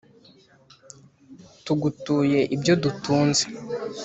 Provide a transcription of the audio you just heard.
tugutuye ibyo dutunze